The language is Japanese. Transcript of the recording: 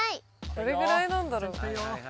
どれくらいなんだろう？